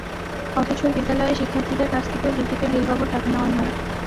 অথচ বিদ্যালয়ের শিক্ষার্থীদের কাছ থেকেও বিদ্যুতের বিল বাবদ টাকা নেওয়া হয়।